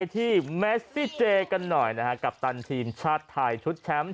ที่เมสซี่เจกันหน่อยนะฮะกัปตันทีมชาติไทยชุดแชมป์